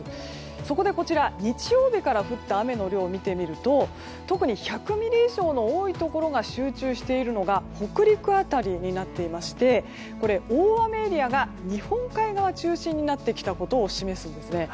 そこでこちら、日曜日から降った雨の量を見てみると特に１００ミリ以上の多いところが集中しているのが北陸辺りになっていまして大雨エリアが日本海側中心になってきたことを示すんですよね。